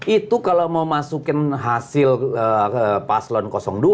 itu kalau mau masukin hasil paslon dua